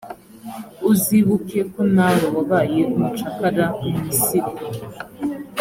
uzibuke ko nawe wabaye umucakara mu misiri,